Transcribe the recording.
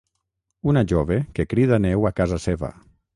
Una jove que crida neu a casa seva.